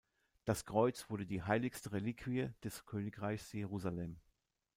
Das Kreuz wurde die heiligste Reliquie des Königreichs Jerusalem.